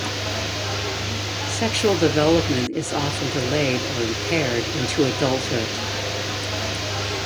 Sexual development is often delayed or impaired into adulthood.